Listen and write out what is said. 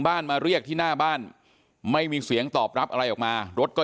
มาเรียกที่หน้าบ้านไม่มีเสียงตอบรับอะไรออกมารถก็